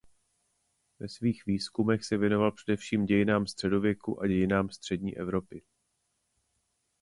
Ve svých výzkumech se věnoval především dějinám středověku a dějinám střední Evropy.